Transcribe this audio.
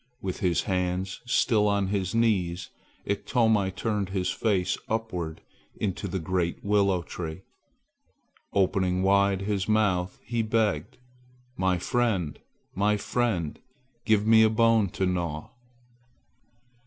With his hands still on his knees, Iktomi turned his face upward into the great willow tree. Opening wide his mouth he begged, "My friend, my friend, give me a bone to gnaw!"